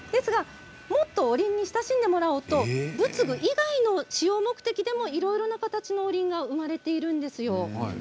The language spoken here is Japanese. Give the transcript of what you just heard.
おりんに親しんでもらおうとお仏壇以外の使用目的でもいろんな形のおりんが生まれています。